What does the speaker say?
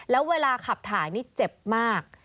แล้วเวลาขับถ่ายนี่เจ็บมาก